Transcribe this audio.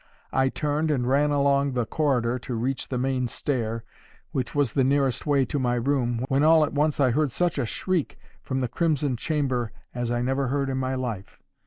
I turned and ran along the corridor to reach the main stair, which was the nearest way to my room, when all at once I heard such a shriek from the crimson chamber as I never heard in my life.